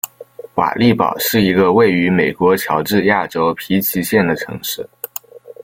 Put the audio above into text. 瓦利堡是一个位于美国乔治亚州皮奇县的城市。